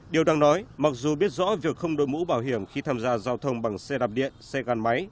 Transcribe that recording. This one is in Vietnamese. điều đang nói mặc dù biết rõ việc không đội mũ bảo hiểm khi tham gia giao thông bằng xe đạp điện xe gắn máy